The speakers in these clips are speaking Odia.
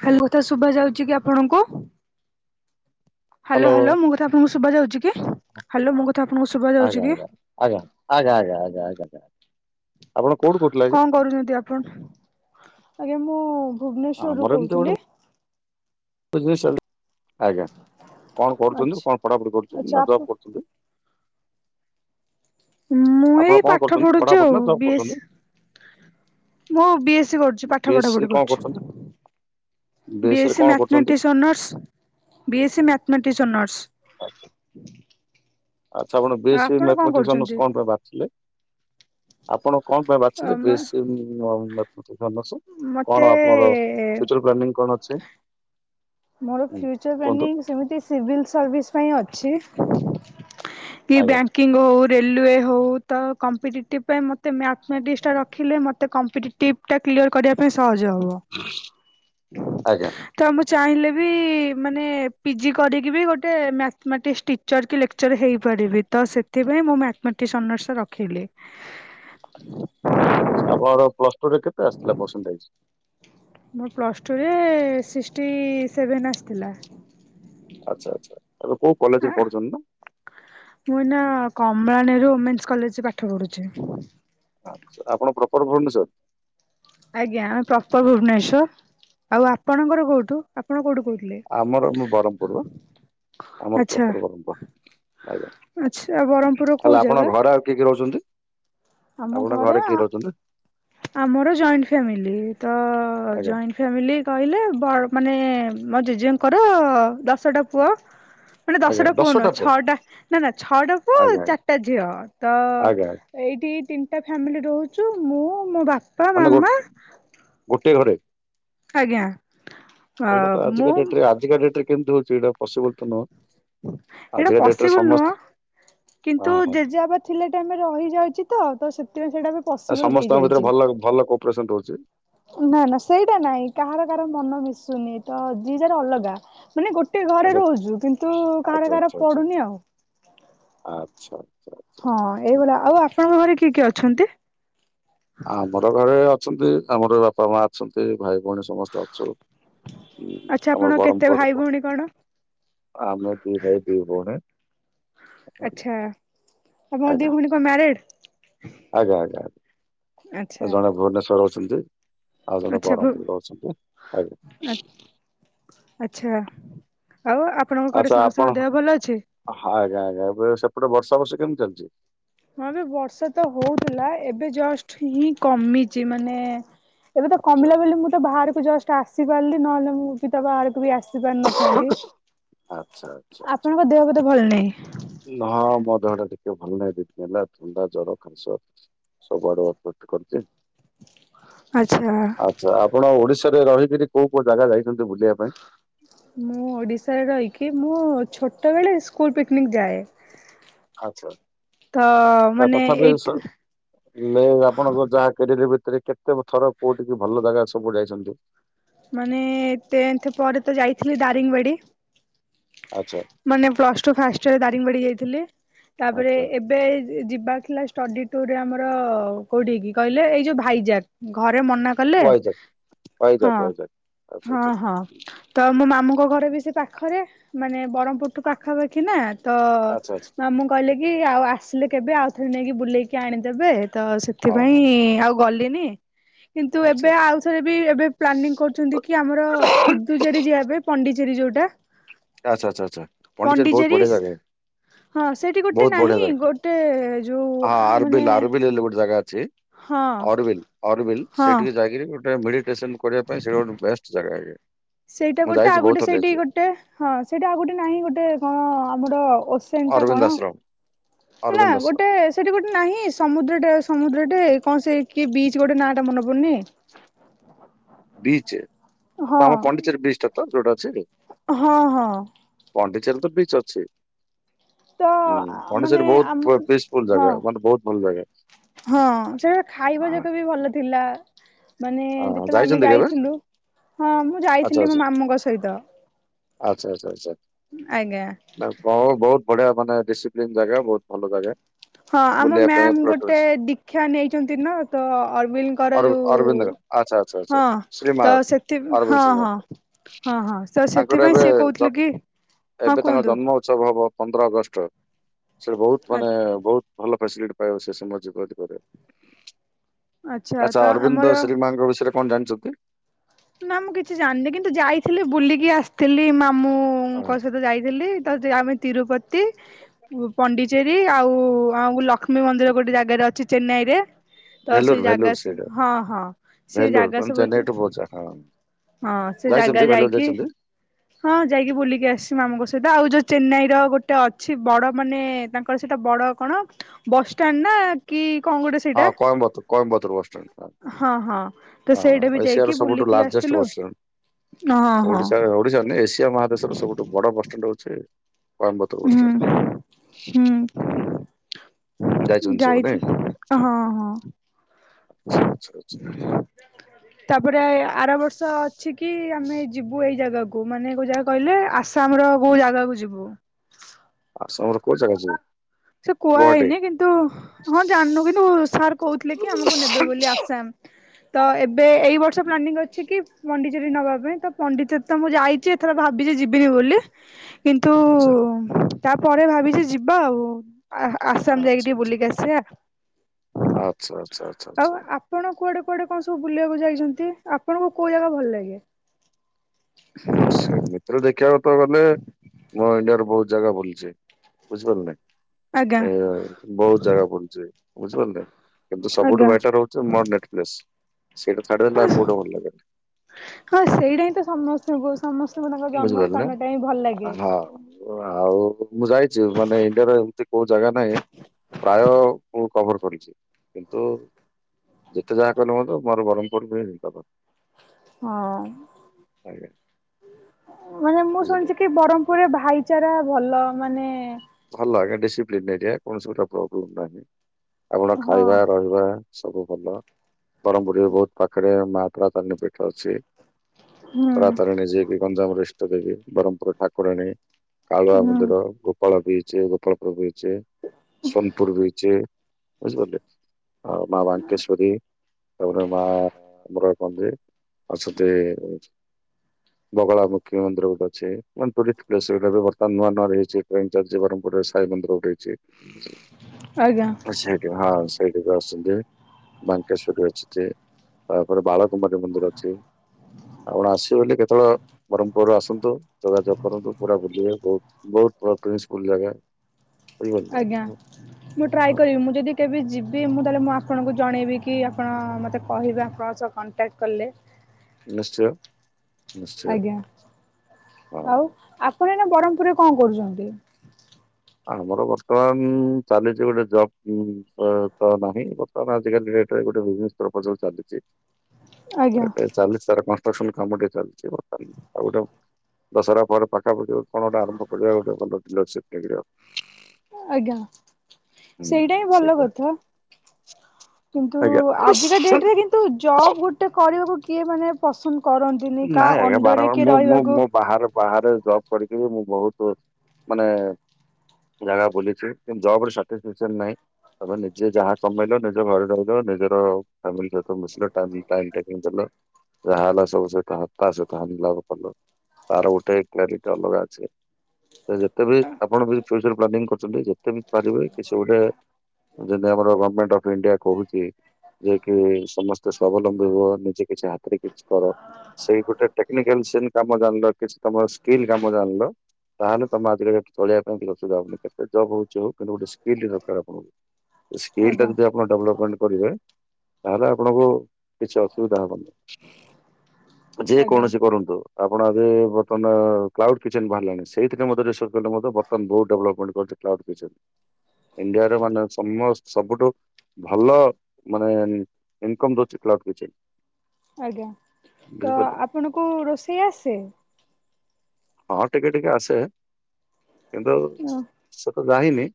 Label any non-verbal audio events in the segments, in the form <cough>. ହ୍ୟାଲୋ କଥା ଶୁଭ ଯାଉଛି କି ଆପଣଙ୍କୁ? ହ୍ୟାଲୋ ହଲୋ ମୁଁ କଥା ଆପଣଙ୍କୁ ସୁ ଅ ଆ ଶୁଭା ଯାଉଛି ଆଜ୍ଞା, କି? ଆଜ୍ଞା, ଆଜ୍ଞା, ଆଜ୍ଞା, ଆଜ୍ଞା, ଆଜ୍ଞା, ଆଜ୍ଞା ସାର୍। କଣ କରୁଛନ୍ତି ଆପଣ? ଆଜ୍ଞା ମୁଁ ଭୁବନେସ୍ୱର ରୁ ଆମର ଏମିତି ଗୋଟେ କହୁଥିଲେ? <unintelligible> ଆଜ୍ଞା। କଣ କରୁଛନ୍ତି ଆଚ୍ଛା କଣ ପଢାପଢି ଆଚ୍ଛା କରୁଛନ୍ତି ନା ଆପ ଜବ କରୁଛନ୍ତି? ମୁଁ ଆପଣ ଏଇ କଣ ପାଠ କରୁଛନ୍ତି ପଢୁଛୁ ପଢାପଢି ଆଉ ନା ଜବ୍ ବିଏସ୍। କରୁଛନ୍ତି ମୁଁ ବି ଏସ୍ ସି କରୁଛି ପାଠ ପଢା ବିଏସି ପଢି କଣ କରୁଛି। କରୁଛନ୍ତି? ବିଏସି ରେ ବିଏସ୍ସି କଣ କରୁଛନ୍ତି? ମାଥମେଟିିକସ ଓନର୍ସ୍ ବି ଏସ୍ସି ମଥମେଟିିକସ୍ ଅନର୍ସ୍। ଆଛା। ଆଚ୍ଛା ଆପଣ ଆଉ ବିଏସି କଣ ମଥମେଟିସ ଅନର୍ସ କରୁଛନ୍ତି? କଣ ପାଇଁ ବାଛିଲେ? ଆପଣ କଣ ପାଇଁ ବାଛିଲେ ଆମ ବିଏସି ଉଁ ମ୍ୟାଥମେଟିସ୍ ଅନର୍ସ? ମତେ କଣ ଆପଣର ଫିଉଚ୍ଚର ପ୍ଲାନିଂ କଣ ଅଛି? ମୋର ହୁଁ ଫ୍ୟୁଚର କୁହନ୍ତୁ ପ୍ଲାନିଂ ସେମିତି ସିଭିଲ୍ ସର୍ଭିସ୍ ପାଇଁ ଅଛି। କି ଆଜ୍ଞା ବ୍ୟାଙ୍କିଙ୍ଗ ହଉ, ରେଲୱେ ହଉ ତ କମ୍ପିେଟିଭ ପାଇଁ ମତେ ମତେ ମ୍ୟାୟାଥେମେଟିକସଟା ରଖିଲେ ମୋତେ କମ୍ପଟେଟିଭ୍ ଟା କ୍ଲିୟର କରିବା ପାଇଁ ସହଜ। ଜ ହବ। ଆଜ୍ଞା ତ ଆମ ଚାହିଁଲେ ବି ମାନେ ପିଜି କରିକି ବି ଗୋଟେ ମ୍ୟାଥମେଟିକ୍ସ ଟିଚର୍ କି ଲେକ୍ଚର ହେଇ ପାରିବି ତ ସେଥିପାଇଁ ମୁଁ ମ୍ୟାଥମେଟିକସ ଅନର୍ସ ରଖିଲି। ଆଛା ଆଛା ଆପଣଙ୍କର ପ୍ଲସ ଟୁ ରେ କେତେ ଆସିଥିଲା ପରସେଣ୍ଟେଜ? ମୁଁ ପ୍ଲସ ଟୁ ରେ ସିକ୍ସଟି ସେଭେନ୍ ଆସିଥିଲା। ଆଚ୍ଛା ଆଚ୍ଛା ଏବେ କୋଉ କଲେଜରେ ପଢୁଛନ୍ତି ନା? କମଳାନୀରୁ ଓମେନ୍ସ କଲେଜ ରେ ପାଠ ପଢୁଛି। ଆଛା ଆପଣ ପ୍ରପର ଭୁବନେଶ୍ୱର। ଆଜ୍ଞା ଆମେ ପ୍ରପର ଭୁବନେଶ୍ଵର ଆଉ ଆପଣଙ୍କର କୋଉଠୁ ଆପଣ କୋଉଠୁ? କହୁଥିଲେ ଆମର ମୁଁ ବ୍ରରହ୍ମପୁର ଆମର ଆଚ୍ଛା ପ୍ରପର ବ୍ରହ୍ମପୁର ଆଜ୍ଞା। ଆଚ୍ଛା ବ୍ରହ୍ମପୁରର କୋଉ ତାହେଲେ ଜାଗା ଆପଣଙ୍କ ଘରେ ଆଉ କିଏ କିଏ ରହୁଛନ୍ତି? ଆମ ଆପଣଙ୍କ ଘରେ। କିଏ ରହୁଛନ୍ତି ଆମର ଜଏଣ୍ଟ ଫାମିଲି ତ ଆଜ୍ଞା ଜଏଣ୍ଟ ଫାମିଲି କହିଲେ ଵ ମାନେ ମୋ ଜେଜେଙ୍କର ଦଶଟା ପୁଅ। ମାନେ ଦଶଟା ପୁଅ ନୁହ ଛଅଟା ନା ନା ଛଅଟା ପୁଅ ଆଜ୍ଞା ଆଜ୍ଞା ଚାରିଟା ଝିଅ ତ ଆଜ୍ଞା ଆଜ୍ଞା ଏଇଠି ତିନିଟା ଫ୍ୟାମିଲି ରହୁଚୁ ମୁଁ ମୋ ବାପ ମାନେ ଗୋ ଗୋଟେ ଘରେ। ଆଜ୍ଞା ଏଇଟା ତ ମୁଁ ଆଜିକା ଡେଟରେ ଆଜିକା ଡେଟରେ କେମିତି ହଉଛି ଏଇଟା ପସିବଲ ତ ନୁହଁ? ଏଇଟା ଆଜିକା ଡେଟରେ ପସିବୁଲ ସମସ୍ତେ ନୁହଁ ହଁ କିନ୍ତୁ ହଁ ଜେଜେବାପା ଥିଲା ଟାଇମରେ ରହିଯାଇଚି। ତ ତ ସେ। ଆ ସମସ୍ତଙ୍କ ଭିତରେ ଭଲ ଭଲ କୋପରେସନ ରହୁଚି। ନା ନା ସେଇଟା ନାଇଁ କାହାର କାହାର ମନ ମିଶୁନି ତ ଜିଏ ଯାର ଅଲଗା ମାନେ ଗୋଟେ ଘରେ ଆଚ୍ଛା ରହୁଛୁ କିନ୍ତୁ ଆଚ୍ଛା କାହାର କାହାର ଆଚ୍ଛା ଆଚ୍ଛା ପଡୁନି ଆଉ ଆଚ୍ଛା ଆଚ୍ଛା ଆଚ୍ଛା ହଁ ଏଇଗୁଡା ଆଉ ଆପଣଙ୍କ ଘରେ କିଏ କିଏ ଅଛନ୍ତି? ଆମର ଘରେ ଅଛନ୍ତି -ଆମର ବାପା, ମା ଅଛନ୍ତି। ଭାଇ ଭଉଣୀ ସମସ୍ତେ ଅଛୁ, ଉ ଆଚ୍ଛା ଆପଣ ଆମର କେତେ ଭାଇ ବ୍ରମପୁର ଭଉଣୀ କଣ? ଆମେ ଦି ଭାଇ ଦି ଭଉଣୀ। ଆଛା, ଆପଣଙ୍କ ଆଜ୍ଞା ଦି ଭଉଣୀ କଣ ମ୍ୟାରେଡ? ଆଜ୍ଞା, ଆଜ୍ଞା, ଆଜ୍ଞା, ଆଚ୍ଛା ଜଣେ ଭୁବନେଶ୍ଵର ଅଛନ୍ତି ଆଉ ଜଣେ ଆଚ୍ଛା ଭୁ ବ୍ରହ୍ମପୁର ରେ ରହୁଛନ୍ତି ଆ ଆଜ୍ଞା। ଆଚ୍ଛା। ଆଉ ଆପଣଙ୍କ ଘରେ ଆଚ୍ଛା, ସମସ୍ତଙ୍କ ଆପଣ ଦେହ ଭଲ ଅଛି? ଆଜ୍ଞା ଆଜ୍ଞା ଏପଟେ ସେପଟେ ବର୍ଷା ବର୍ଷି କେମିତି ଚାଲିଚି? ହଁବେ ବର୍ଷା ତ ହଉଥିଲା ଏବେ ଜଷ୍ଟ ହିଁ କମିଚି, ମାନେ ଏବେ ତ ଆଚ୍ଛା କମିଲା ବୋଲି ମୁଁ ତ ବାହାରକୁ ଜଷ୍ଟ ଆସି ପାରିଲି ନହେଲେ ମୁଁ ବି ତା ବାହାରକୁ ବି ଆସିି ପାର ନଥାନ୍ତି, ଆଚ୍ଛା ଆପଣଙ୍କ ଦେହ ବଧେ ଭଲ ନାହିଁ? ନାଁ ମୋ ଦେହ ଟା ଟିକେ ଭଲ ନାହିଁ ଦିଦିନ ହେଲା ଥଣ୍ଡା ଜର ଖାସ ସବୁଆଡୁ ଅ କରଚି <unintelligible> ଆଚ୍ଛା। ଆଛା, ଆପଣ ଓଡିଶାରେ ରହିକିରି କୋଉ କୋଉ ଜାଗା ଯାଇଛନ୍ତି ବୁଲିବା ପାଇଁ ମୁଁ ଓଡ଼ିଶାରେ ରହିକି ମୁଁ ଛୋଟବେଳେ ସ୍କୁଲ ପିକ୍ନିକ୍ ଯାଏ। ଆଚ୍ଛା। ତ ମାନେ ଏଇଟ୍ ତଥାପିଲେ ଆପଣଙ୍କ ଯାହା କ୍ୟାରିଅର ଭିତରେ। କେତେ ଥର କୋଉଠିକି ଭଲ ଜାଗା ସବୁ ଯାଇଛନ୍ତି? ମାନେ ଟେନଥ ପରେ ତ ଯାଇଥିଲି ଦାରିଙ୍ଗବାଡି। ଆଚ୍ଛା। ମାନେ ପ୍ଲସ ଟୁ ଫାଷ୍ଟରେ ଦାରିଙ୍ଗବାଡି ଯାଇଥିଲି, ତାପରେ ଆଚ୍ଛା ଏବେ ଯିବାର ଥିଲା ଷ୍ଟଡି ଟୁରରେ ଆମର ଅ କୋଉଠି କି କହିଲେ ଏଇ ଯୋଉ ଭାଇଜାକ ଘର ରେ ମନାକଲେ, ୱାଇଜାକ୍ ୱାଇଜାକ୍ ହଁ- ୱାଇଜାକ୍ ଆଚ୍ଛା ହଁ ଆଚ୍ଛା ହଁ ତ ମୋ ମାମୁଁଙ୍କ ଘରେ ବି ସେ ପାଖରେ ମାନେ ବ୍ରହ୍ମପୁରଠୁ ପାଖାପାଖି ନା ତ ଆଚ୍ଛା ଆଚ୍ଛା ମାମୁଁ କହିଲେ କି ଆଉ ଆସିଲେ କେବେ ଆଉଥରେ ନେଇକି ବୁଲେଇକି ଆଣିଦେବେ ତ ହଁ ସେଥିପାଇଁ ହଁ। ଆଉ ଗଲି ଲିନି କିନ୍ତୁ ଆଚ୍ଛା ଏବେ ଆଉ ଥରେ ବି ଏବେ ପ୍ଲାନିଂ କରୁ କି ଆମର ପୁଦୁଚେରୀ ଯିବା ପାଇଁ ପଣ୍ଡିଚେରୀ ଯୋଉଟା ଆଛା ଆଚ୍ଛା ଆଚ୍ଛା ପଣ୍ଡିଚେରୀ ବହୁତ ବଢ଼ିଆ ଜାଗା ହଁ ସେଇଠି ଗୋଟେ ବହୁତ ବଢିଆ ନାହିଁ ଜାଗା ଗୋଟେ ଯୋଉ ହଁ ମାନେ ଆରବିଲ ଆରବିଲ ହେଲେ ଗୋଟେ ଜାଗା ଅଛି ହଁ ଅରବିଲ୍ ଅରବିଲ୍ ହଁ ସେଇଠିକି ଯାଇକିରି ଗୋଟେ ମେଡିଟେସନ କରିବା ପାଇଁ ସେଇଟା ଗୋଟେ ବେଷ୍ଟ ଜାଗା ଇଏ। ସେଇଟା ମୁଁ ଗୋଟେ ଯାଇଛି ଆଉ ବହୁତ ଗୋଟେ ଥର ସେଇଠି ଯାଇଛି ଗୋଟେ ହଁ ସେଇଟା ଆଉ ଗୋଟେ ନାହିଁ ଗୋଟେ କଣ ଆମର ଓସେନ ଟା ଅରବିନ୍ଦ କଣ ନା, ଆଶ୍ରମ ନା ଅରବିନ୍ଦ ଆଶ୍ରମ ଗୋଟେ ସେଠି ଗୋଟେ ନାହିଁ ସମୁଦ୍ରଟେ ସମୁଦ୍ର ଗୋଟେ କଣ ସେ କିଏ ବିଚ ଗୋଟେ ନା ଟା ମନେ ପଡୁନି। ବିଚ୍ ହଁ ଆମ ପଣ୍ଡିଚେରୀ ବିଚ ଟା ତ ଯୋଉଟା ଅଛି। ହଁ ହଁ। ପଣ୍ଡିଚେରୀ ତ ବିଚ୍ ଅଛି। ତ ହୁଁ ମାନେ ପାଣ୍ଡିଚେରୀ ବହୁତ ଆମ ପିସଫୁଲ ହଁ ଜାଗା, ମାନେ ବହୁତ ଭଲ ଜାଗା। ହଁ ସେ ଖାଇବା ଯାକ ବି ଭଲ ଥିଲା। ମାନେ ହଁ ହଁ ଯେତେବେଳେ ଆମେ ଯାଇଛନ୍ତି କେବେ ଯାଇଥିଲୁ ହଁ ମୁଁ ଆଚ୍ଛା ଯାଇଥିଲି ମୋ ଆଚ୍ଛା ମାମୁଁ ଙ୍କ ସହିତ। ଆଚ୍ଛା, ଆଚ୍ଛା, ଆଛା, ଆଜ୍ଞା। ଆପଣ ବହୁତ ବଢିଆ ମାନେ ଡିସିପ୍ଲିନ୍ ଜାଗା, ବହୁତ ଭଲ ଜାଗା। ହଁ ଆମ ବୁଲିବା ମ୍ୟାମ୍ ଗୋଟେ ପାଇଁ ଦୀକ୍ଷା ନେଇଛନ୍ତି ନା ତ ଅରବିଲଙ୍କର ଅର ଯୋଉ ଅରବିନ୍ଦଙ୍କ ଆଚ୍ଛା ଆଚ୍ଛା ଆଚ୍ଛା ହଁ ଶ୍ରୀମା ତ ସେଥି ଅରବିନ୍ଦ ହଁ ଶ୍ରୀମା ହଁ ହଁ ହଁ ତ ତାଙ୍କର ସେଥିପାଇଁ ଏବେ ସିଏ ଜ କହୁଥିଲେ କି ହଁ ଏବେ ତାଙ୍କ କୁହନ୍ତୁ ଜନ୍ମ ଉତ୍ସବ ହବ ପନ୍ଦର ଅଗଷ୍ଟ ସେଟା ବହୁତ ଆଚ୍ଛା। ମାନେ ବହୁତ ଭଲ ଫାସିଲିଟି ପାଇବା ସେ ସମୟରେ ଯୋଗାଯୋଗ କଲେ। ଆଚ୍ଛା ତ ଆମର ତାଙ୍କ ବିଷୟରେ କଣ ଜାଣିଛ କି? ନା ମୁଁ କିଛି ଜାଣିନି କିନ୍ତୁ ଯାଇଥିଲି ବୁଲିକି ଆସିଥିଲି ହଁ, ମାମୁଁଙ୍କ ସହିତ ଯାଇଥିଲି। ତା ଥିରେ ଆମେ ତିରୁପତି ପଣ୍ଡିଚେରୀ ଆଉ ଆଉ ଲକ୍ଷ୍ମୀ ମନ୍ଦିର ଗୋଟେ ଜାଗାରେ ଅଛି ଚେନ୍ନାଇ ରେ। ତ ଭେଲୁର ସେ ଭେଲୁର ଜାଗା ସ ସେଇଟା ହଁ ହଁ ସେ ଭେଲୁର ଜାଗା ମାନେ ସବୁ ଚେନ୍ନାଇଠୁ ବହୁତ ଜାଗା ହଁ। ହଁ ସେ ଜାଗା ଯାଇଛନ୍ତି ଭେଲୁର ଯାଇକି ଯାଇଛନ୍ତି? ହଁ ଯାଇକି ବୁଲିକି ଆସି ମାମୁଁଙ୍କ ସହି ସେଇଟା ଆଉ ଯୋଉ ଚେନ୍ନାଇ ର ଗୋଟେ ଅଛି ବଡ଼ ମାନେ ତାଙ୍କର ସେଇଟା ବଡ଼ କଣ ବସଷ୍ଟାଣ୍ଡ ନା। ନା କି କଣ ଗୋଟେ ସେଇଟା ହଁ କଏମ୍ବତ କଏମ୍ବତ ବସଷ୍ଟାଣ୍ଡ୍ ହଁ ହଁ ତ ସେଇଟା ବି ଯାଇକି ଏସିଆର ସବୁଠୁ ବୁଲିକି ଲାର୍ଜେଷ୍ଟ ଆସିଥିଲୁ ବସଷ୍ଟାଣ୍ଡ୍ ହଁ ହଁ ଓଡ଼ିଶାର ଓଡ଼ିଶାର ନାଇ ଏସିଆ ଏସିଆ ମହାଦେଶର ସବୁଠୁ ବଡ଼ ବସଷ୍ଟାଣ୍ଡ୍ ହଉଛି କୋଏମ୍ବତୁର ହୁଁ ବସଷ୍ଟାଣ୍ଡ। ହୁଁ। ଯାଇଛନ୍ତି ସବୁ ଯାଇଛି ନାଇଁ ହଁ ହଁ। ଆଚ୍ଛା ଆଚ୍ଛା ଆଚ୍ଛା। ତାପରେ ଆର ବର୍ଷ ଅଛି କି ଆମେ ଯିବୁ ଏଇ ଜାଗାକୁ ମାନେ କୋଉ ଜାଗା କହିଲେ ଆସାମ ର କୋଉ ଜାଗାକୁ ଯିବୁ? ଆସାମର କୋଉ ଜାଗା ଯିବ? ସେ କୁହା ହେଇନି କିନ୍ତୁ ହଁ ଜାଣିନୁ କିନ୍ତୁ ସାର୍ କହୁଥିଲେ କି ଆମକୁ ନେବେ ବୋଲି ଆସାମ୍? ତ ଏବେ ଏଇ ବର୍ଷ ପ୍ଲାନିଂ ଅଛି କି ପଣ୍ଡି ପଣ୍ଡିଚେରୀ ନବା ପାଇଁ ତ ପଣ୍ଡିଚେରୀ ତ ମୁଁ ଯାଇଛି ଏଥର ଭାବିଛି ଯିବିନି ବୋଲି କିନ୍ତୁ ଆଚ୍ଛା ତାପରେ ଭାବିଛି ଯିବା ଆଉ। ଆ ଆସାମ ଯାଇକି ଆଚ୍ଛା ଟିକେ ବୁଲିକି ଆସିବା। ଆଚ୍ଛା ଆଚ୍ଛା ଆଚ୍ଛା ଆଚ୍ଛା। ଆଉ ଆପଣ କୁଆଡ଼େ ଆପଣ କଣ ସବୁ ବୁଲିବାକୁ ଯାଇଛନ୍ତି ଆପଣଙ୍କୁ କୋଉ ଜାଗା ଭଲ ଲାଗେ? ସେମିତିରେ ଦେଖିବାକୁ ତ ଗଲେ ମୋ ଇଣ୍ଡିଆରେ ବହୁତ ଜାଗା ବୁଲିଛି ବୁଝିପାରିଲେ। ଆଜ୍ଞା। ଏ ବହୁତ ଜାଗା ବୁଲିଛି ବୁଝିପାରିଲେ। କିନ୍ତୁ ସବୁଠୁ ଆଜ୍ଞା ବେଟର ହେଉଛି ମୋର ନେଟ ପ୍ଲେସ। ସେଇଟା ଛାଡ଼ି ଦେଲେ ଆଉ କୋଉଟା ଭଲ ଲାଗେନି। ହଁ ସେଇଟା ହିଁ ତ ସମସ୍ତଙ୍କୁ ସମସ୍ତଙ୍କୁ ତାଙ୍କ ବୁଝିପାରିଲେ ଜନ୍ମସ୍ଥାନ ଟା ହିଁ ଭଲ ଲାଗେ। ହଁ ଆଉ ମୁଁ ଯାଇଛି ମାନେ ଇଣ୍ଡିଆ ର ଏମିତି କୋଉ ଜାଗା ନାଇ ପ୍ରାୟ ମୁଁ କଭର କରିଛି କିନ୍ତୁ <unintelligible> ହଁ ଆଜ୍ଞା ମାନେ ମୁଁ ବୁଝିଲେ। ଶୁଣିଛି କି ବରମପୁରରେ ଭାଇଚାରା ଭଲ ମାନେ ଭଲ ଆଜ୍ଞା ଡିସିପ୍ଲିନ ଏ କୌଣସି ଗୋଟେ ପ୍ରୋବ୍ଲେମ ନାହିଁ ଆପଣ ହଁ ଖାଇବା ରହିବା ସବୁ ଭଲ ବ୍ରହ୍ମପୁରୀ ବହୁତ ପାଖରେ ମା ତାର ତାରିଣୀ ପୀଠ ଅଛି ହୁଁ ତାରାତାରିଣୀ ଯିଏ କି ଗଞ୍ଜାମର ଇଷ୍ଟ ଦେବୀ ବରମ୍ ପୁରର ଠାକୁରାଣୀ କାଳୁଆ ହୁଁ ମନ୍ଦିର ଗୋଟେ ଫୁଲ beach Gopalpur beach Sonepur beach ବୁଝିପାରିଲେ। ମା ବାଙ୍କେଶ୍ୱରି ଆଉ ତାପରେ ମା ଆମର ପା ଅଛନ୍ତି। ବଗଳାମୁଖି ମନ୍ଦିର ବି ଗୋଟେ ଅଛି ମାନେ ଟୁରିଷ୍ଟ ପ୍ଲେସଟା ବି ବର୍ତ୍ତମାନ ନୂଆ ନୂଆରେ ହେଇଛି ଚାଲିଛି ବ୍ରହ୍ମପୁରରେ ସାଇ ମନ୍ଦିର ଉଠେଇଛି ଆଜ୍ଞା ସେଠି ହଁ ସେଇଠକୁ ଆସନ୍ତି। ମାଙ୍କେଶ୍ୱରି ଅଛି ତାପରେ ବାଳ କୁମାରୀ ମନ୍ଦିର ଅଛି। ଆପଣ ଆସିବେ ବୋଲି କେତେବେଳେ ବ୍ରହ୍ମପୁର ଆସନ୍ତୁ ଯୋଗାଯୋଗ କରନ୍ତୁ ପୁରା ବୁଲିବେ ବହୁତ ବହୁତ ସ୍କୁଲ ଜାଗା ବୁଝିପାରିଲେ। ଆଜ୍ଞା ହଁ, ମୁଁ ଟ୍ରାଏ କରିବି ମୁଁ ଯଦି କେବେ ଯିବି ମୁଁ ତାହେଲେ ମୁଁ ଆପ ଆପଣଙ୍କୁ ଜଣେଇବି କି ଆପଣ ମୋତେ କହିବେ ଆପଣଙ୍କ ସହ କଣ୍ଟାକ୍ଟ କଲେ ନିଶ୍ଚୟ। ନିଶ୍ଚୟ ଆଜ୍ଞା ଆଉ ହଁ। ଆପଣ ଏଇ ନା ବ୍ରହ୍ମପୁରରେ କଣ କରୁଛନ୍ତି? ଆମର ବର୍ତ୍ତମାନ ଚାଲିଚି ଗୋଟେ ଜବ୍ କୁ ତ ନାହିଁ ବର୍ତ୍ତମାନ ଆଜିକାଲି ରେଝ ଏଇ ଗୋଟେ ଭୁବନେଶ୍ୱରପଯ୍ୟ ଆଜ୍ଞା ଚାଲିଛି ଏ ଚାଲିଚି ତାର କଣ ପ୍ରସନ କାମଟ ଚାଲଛି ବର୍ତ୍ତମାନ ଆଉଡା ଦଶହରା ପରେ ପାଖାପାଖି କଣଟା ଆରମ୍ଭ କରିବା ଗୋଟେ ଭଲ ଡିଲରସିପ ନେଇିିକି ଆଉ ଆଜ୍ଞା ହୁଁ ସେଇଟା ହିଁ ଭଲ ସେଇପା କଥା। କିନ୍ତୁ ଆଜିକା ଆଜ୍ଞା। ଡେଟ ରେ କିନ୍ତୁ ଜବ ଗୋଟେ କରିବାକୁ କିଏ ମାନେ ପସନ୍ଦ କରନ୍ତିନି କାହା ନାଇଁ ଅଣ୍ଡରେ କି ରହିବାକୁ ଜବ କରିକି ମୁଁ ବହୁତ ମାନେ ଜାଗା କୁଲିଚି କିନ୍ତୁ ଜବରେ ସାଟିସ୍ ଫି କେସନ ନାଇଁ। ତମେ ନିଜେ ଯାହା କମେଇଲ ନିଜ ଘରେ ରହିଲ ନିଜର ଫାମିଲି ସହିତ ମିଶିଲ ଟାଇମଟା କେମିତି ଗଲା। ଯାହା ହେଲା ସବୁ ସେଇଠି ହତାସ ହାନିଲାଭ କଲୁ ତାର ଗୋଟେ କ୍ଲାରିଟି ଅଲଗା ଅଛି। ଯେତେ ବି ଆପଣ ବି ଫ୍ୟଚର ପ୍ଲାନିଂ କରୁଛନ୍ତି ଯେତେ ବି ପାରିବେ କି ସେ ଗୋଟେ ଯଦି ଆମର ଗଭର୍ଣମେଣ୍ଟ ଅଫ୍ ଇଣ୍ଡିଆ କହୁଛି ଯିଏ କି ସମସ୍ତେ ସଵାବଲମ୍ବୀ ହୁଅ ନିଜେ କିଛି ହାତରେ କିଛି କର ସେଇ ପଟେ ଟେକ୍ନିକାଲ ସିଆନ କାମ ଜାଣିଲ କିଛି ତମର ସ୍କିଲ କାମ ଜାଣିଲ ତାହେଲେ ତମେ ଆଜିକା ଡେଟରେ ଚଳିବା ପାଇଁ କିଛି ଅସବିଧା ହବନି କେତେ ଜବ ହଉ ହଉ କିନ୍ତୁ ଗୋଟେ ସ୍କ୍ରିଲ୍ ଦରକାର ଆପଣଙ୍କୁ। ସ୍କିଲ ଟା ଆଜ୍ଞା ଯଦି ଆପଣ ଡ଼େଭ୍ଲପଏଣ୍ଟେ କରିବେ ତାହେଲେ ଆପଣଙ୍କୁ କିଛି ଅସୁବିଧା ହବନି। ଯେ ଆଜ୍ଞା କୌଣସି କରନ୍ତୁ ଆପଣ ଆଜି ବର୍ତମାନ କ୍ଳାଉଡ କିଚେନ ବାହାରିଲାଣି ସେଇଥିରେ <unintelligible> ବର୍ତ୍ତମାନ ବହୁତ ଡେଭଲପମେଣ୍ଟ କରିଛି। Cloud kitchen. ଇଣ୍ଡିଆରେ ମାନେ ସମ ସବୁଠୁ ଭଲ ମାନେ ଇନକମ ଦଉଛି ସବ୍ କିିଛି। ଆଜ୍ଞା ତ ଆପଣଙ୍କୁ ରୋଷେଇ ଆସେ? ହଁ ଟିକେ ଟିକେ ଆସେ କିନ୍ତୁ ସେ ତ ଯାାଇନି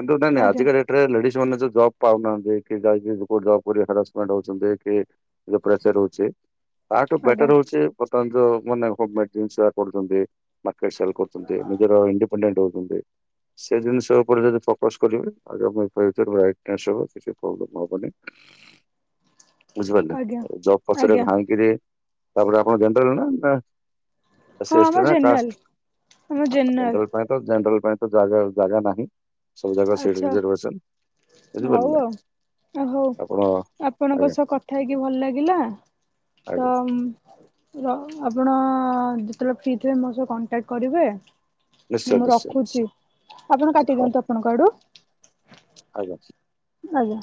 କିନ୍ତୁ ନାଇଁ ଆଜ୍ଞା ଆଜିକାଡେଟରେ ଲେଡିଜ ମାନେ ଜବ ପାଉନାହାନ୍ତି କି ଯାଇ ଜ ସମ୍ପେଣ୍ଟହଉଛନ୍ତି କି ପ୍ରେସରେ ହଉଛି ତାଠୁ ଆଜ୍ଞା ବେଟର ହଉଛି ବର୍ତ୍ତମାନ ଯୋଉ <unintelligible> କରୁଛନ୍ତି। ମାର୍କେନ୍ର ଆଲ ସେଲ କରୁତନ୍ତି ନିଜର ଇଡିପେଣ୍ଡେଣ୍ଟ ହଉନ୍ତନ୍ତି। ସେ ଜିନିଷ ଉପରେ ଯଦି ଫୋକସ କରିବେ ଆହୁରି ପ୍ରେଜର ରାଇଟ ନାସ୍ତି ହବ କିଛି ପ୍ରୋବେଲମ୍ ଦୂବନ୍ତି ପ୍ରୋବ୍ଲେ ହବନି। ବୁଝିପାରିଲେ ଆଜ୍ଞା। ଜବ ପଛରେ ଆଜ୍ଞା ଧାାଇଁକିରି ତାପରେ ଆପଣ ଯେଣ୍ଟେଲେ ନା ନା। ହଁ <unintelligible> ଆମ ପାଇଁ ଜେନେରାଲ ଆମ ଜେନେରାଲ ତ ଜାଗା ଜାଗା ନାହିଁ ସବୁ ଜାକ ଆଚ୍ଛା <unintelligible> ହଉ ଆଉ ଆଉ ହଉ ଆପଣ ଆପଣଙ୍କ ଆଜ୍ଞା ସହ କଥା ହେଇକି ଭଲ ଲାଗିଲା। ତ ଆଜ୍ଞା ର ଆପ୍ ଆପଣ ଯେତେବେଳେ ଫ୍ରି ଥିବେ ମୋ ସହ କଣ୍ଟାକ୍ଟ କରିବେ। ମୁ ନିଶ୍ଚୟ ମୁଁ ନିଶ୍ଚୟ ରଖୁଚି ନିଶ୍ଚୟ ଆପଣ ହଉ କାଟିଦିଅନ୍ତୁ ଆ ଆଜ୍ଞା। ଆଜ୍ଞା।